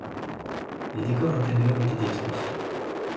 Les décors intérieurs étaient détruits.